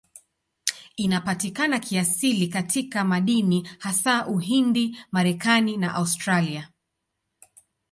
Inapatikana kiasili katika madini, hasa Uhindi, Marekani na Australia.